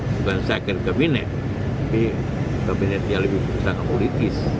bukan second cabinet tapi kabinet yang lebih sangat politis